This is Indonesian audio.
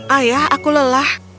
ayah aku lelah